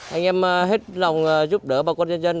anh em hết lòng giúp đỡ bà con nhân dân